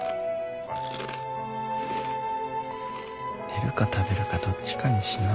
寝るか食べるかどっちかにしな。